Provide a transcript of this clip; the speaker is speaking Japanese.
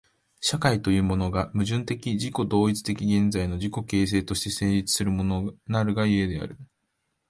社会というものが、矛盾的自己同一的現在の自己形成として成立するものなるが故である。